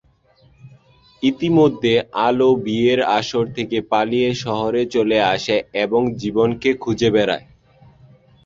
ইতিমধ্যে আলো বিয়ের আসর থেকে পালিয়ে শহরে চলে আসে এবং জীবনকে খুঁজে বেড়ায়।